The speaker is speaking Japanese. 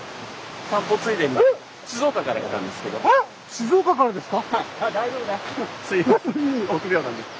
静岡からですか？